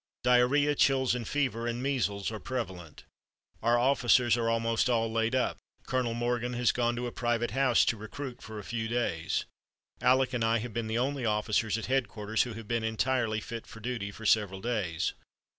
Diarrhoea, chills and fever, and measles are prevalent. Our officers are almost all laid up. Colonel Morgan has gone to a private house to recruit for a few days. Aleck and I have been the only officers at headquarters who have been entirely fit for duty for several days."